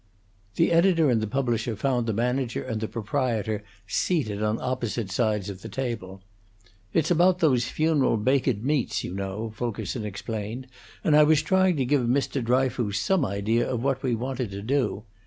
The editor and the publisher found the manager and the proprietor seated on opposite sides of the table. "It's about those funeral baked meats, you know," Fulkerson explained, "and I was trying to give Mr. Dryfoos some idea of what we wanted to do.